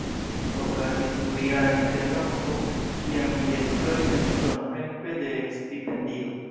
Okazis dujara interrompo, tiam li esploris en Usono helpe de stipendio.